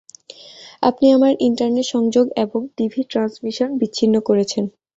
আপনি আমার ইন্টারনেট সংযোগ এবং টিভি ট্রান্সমিশন বিচ্ছিন্ন করেছেন।